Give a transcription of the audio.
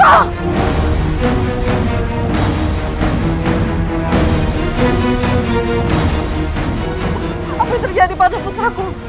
apa yang terjadi pada putraku